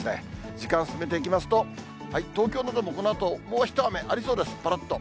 時間進めていきますと、東京などもこのあと、もう一雨ありそうです、ぱらっと。